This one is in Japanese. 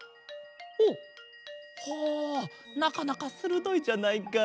ほうほうなかなかするどいじゃないか。